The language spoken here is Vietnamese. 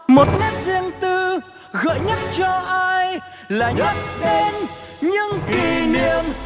một nét riêng tư gọi nhắc cho ai là nhắc đến những kỷ niệm